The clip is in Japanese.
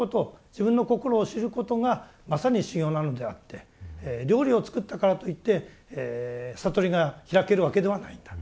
自分の心を知ることがまさに修行なのであって料理を作ったからといって悟りが開けるわけではないんだ。